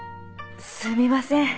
すみません。